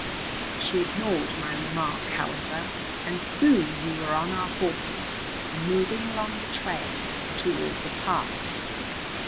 She ignored my remark, however, and soon we were on our horses and moving along the trail toward the pass.